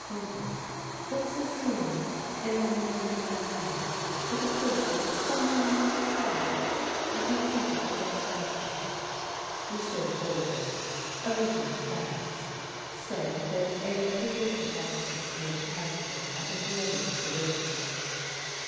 Faubourg, that 'Cecile' in 'La Mauvaise Bonte' is a portrait of some one you once loved and who treated you very badly?" M. Faubourg, a little embarrassed, said that a creative artist made a character out of many originals.